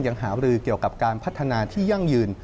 หารือเกี่ยวกับการพัฒนาที่ยั่งยืน